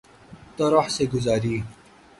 طرح سے گزاری